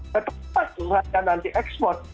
tetap pas hanya nanti ekspor